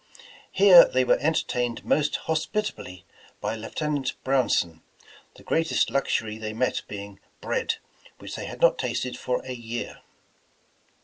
Here they were entertained most hospit ably by Lieutenant Brownson, the greatest luxury they met being bread, which they had not tasted for a year.